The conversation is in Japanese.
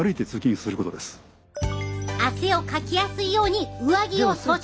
汗をかきやすいように上着を装着！